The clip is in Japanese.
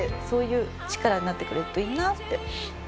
そういう力になってくれるといいなって。